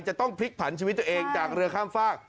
จะต้องพลิกผันชีวิตตัวเองจากเรือข้ามฝาก